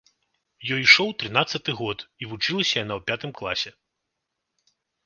Ёй ішоў трынаццаты год, і вучылася яна ў пятым класе.